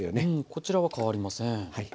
こちらは変わりません。